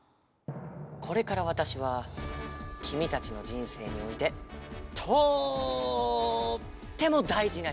これからわたしはきみたちのじんせいにおいてとってもだいじなしつもんをする。